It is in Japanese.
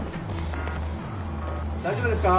大丈夫ですか？